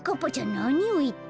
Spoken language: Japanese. なにをいって。